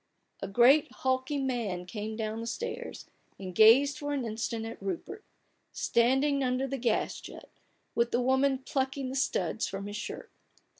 " A great hulking man came down the stairs, and gazed for an instant at Rupert — standing under the gas jet, with the woman plucking the studs from his shirt.